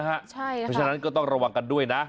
เพราะฉะนั้นก็ต้องระวังกันด้วยนะ